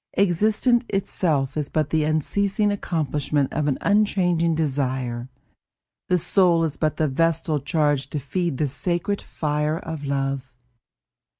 Existence itself is but the unceasing accomplishment of an unchanging desire; the soul is but the vestal charged to feed the sacred fire of love.